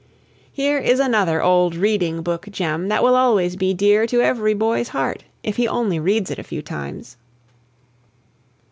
Here is another old reading book gem that will always be dear to every boy's heart if he only reads it a few times.